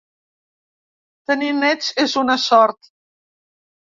Tenir nets és una sort.